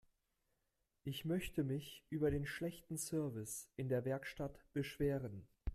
Ich möchte mich über den schlechten Service in der Werkstatt beschweren.